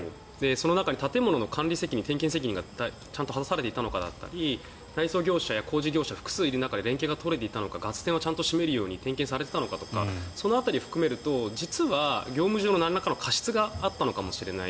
その中に建物の管理責任点検責任がちゃんと果たされていたのかだったり内装業者や工事業者が複数いる中で連携が取れていたのかガス栓はちゃんと締めるように点検されていたのかとかその辺りを含めると業務上、なんらかの過失があったのかもしれない。